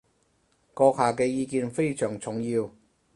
閣下嘅意見非常重要